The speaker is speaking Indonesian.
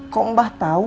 kok mbah tau